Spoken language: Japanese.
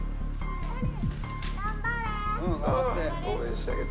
頑張れー！